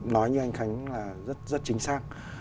nói như anh khánh là rất chính xác